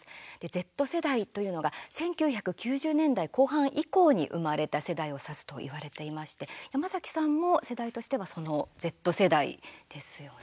Ｚ世代というのが１９９０年代後半以降に生まれた世代を指すといわれていまして山崎さんも世代としてはそのＺ世代ですよね。